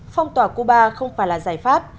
phong tỏa cuba không phải là giải pháp